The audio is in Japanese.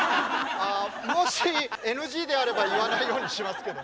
もしＮＧであれば言わないようにしますけど。